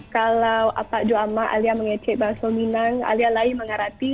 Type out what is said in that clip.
kalau alia mengajar bahasa minang alia lagi mengharapi